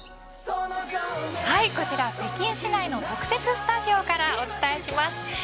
はい、こちら北京市内の特設スタジオからお伝えします。